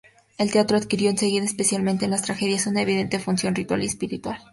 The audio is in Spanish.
El teatro adquirió enseguida, especialmente en las tragedias, una evidente función ritual y espiritual.